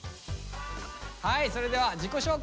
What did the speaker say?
はいそれでは自己紹介